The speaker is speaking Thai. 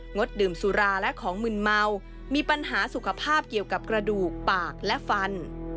งดดื่มสุราและของมืนเมามีปัญหาสุขภาพเกี่ยวกับกระดูกปากและฟัน